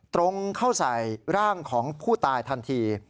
ตรงเข้าใส่ร่างของผู้ตายทันที